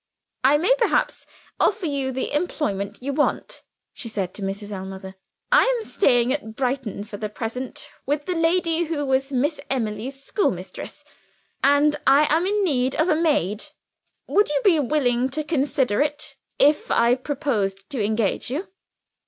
"I may perhaps offer you the employment you want," she said to Mrs. Ellmother. "I am staying at Brighton, for the present, with the lady who was Miss Emily's schoolmistress, and I am in need of a maid. Would you be willing to consider it, if I proposed to engage you?"